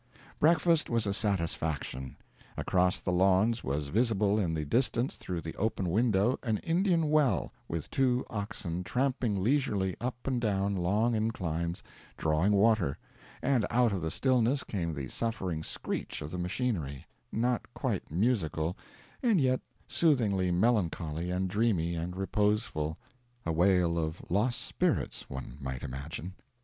Breakfast was a satisfaction. Across the lawns was visible in the distance through the open window an Indian well, with two oxen tramping leisurely up and down long inclines, drawing water; and out of the stillness came the suffering screech of the machinery not quite musical, and yet soothingly melancholy and dreamy and reposeful a wail of lost spirits, one might imagine.